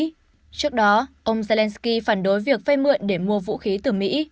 trước đó ông zelensky phản đối việc phê mượn để mua vũ khí từ mỹ